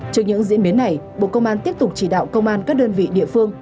trước những diễn biến này bộ công an tiếp tục chỉ đạo công an các đơn vị địa phương